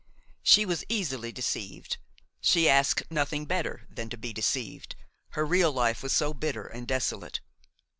She was easily deceived; she asked nothing better than to be deceived, her real life was so bitter and desolate!